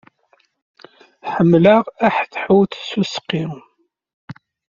Ḥemmleɣ aḥetḥut s useqqi.